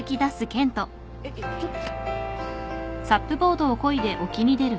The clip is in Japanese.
えっちょっと。